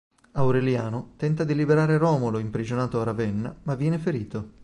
Aureliano tenta di liberare Romolo imprigionato a Ravenna ma viene ferito.